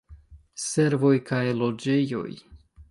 Servoj kaj loĝejoj.